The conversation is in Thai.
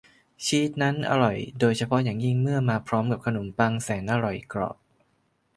ชีสนั้นอร่อยโดยเฉพาะอย่างยิ่งเมื่อมาพร้อมกับขนมปังแสนอร่อยกรอบ